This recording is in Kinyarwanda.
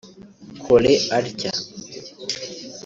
Cole atya